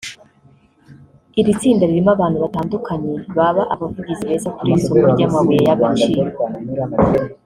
“Iri tsinda ririmo abantu batandukanye baba abavugizi beza kuri iri soko ry’amabuye y’agaciro